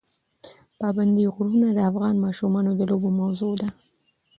پابندی غرونه د افغان ماشومانو د لوبو موضوع ده.